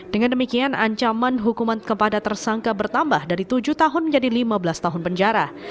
dengan demikian ancaman hukuman kepada tersangka bertambah dari tujuh tahun menjadi lima belas tahun penjara